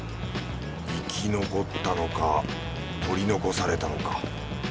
生き残ったのか取り残されたのか。